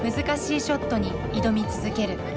難しいショットに挑み続ける。